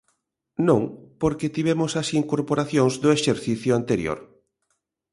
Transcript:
Non, porque tivemos as incorporacións do exercicio anterior.